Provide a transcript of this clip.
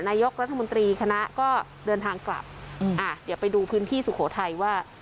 นายกรัฐมนตรีคณะก็เดินทางกลับเดี๋ยวไปดูพื้นที่สุโขทัยว่า